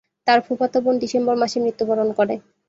তার ফুফাতো বোন ডিসেম্বর মাসে মৃত্যুবরণ করে।